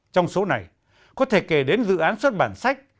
trong số này có thể kể đến dự án xuất bản sách